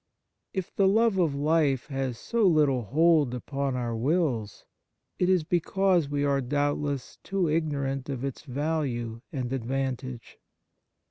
If the love of life has 33 c On Piety so little hold upon our wills, it is because we are doubtless too ignorant of its value and advantage.